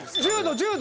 １０度！